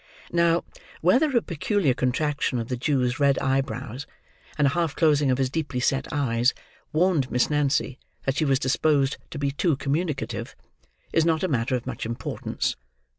Now, whether a peculiar contraction of the Jew's red eye brows, and a half closing of his deeply set eyes, warned Miss Nancy that she was disposed to be too communicative, is not a matter of much importance.